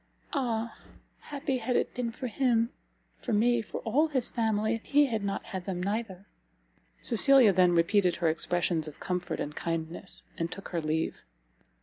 Ah! happy had it been for him, for me, for all his family, if he had not had them neither!" Cecilia then repeated her expressions of comfort and kindness, and took her leave.